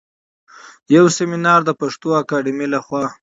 يو سمينار د پښتو اکاډمۍ لخوا